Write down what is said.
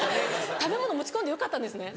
食べ物持ち込んでよかったんですね？